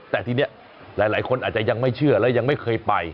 แต่ทีนี้หลายคนอาจจะยังไม่เชื่อและยังไม่เคยไป